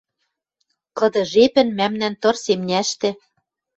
Кыды жепӹн мӓмнӓн тыр семняштӹ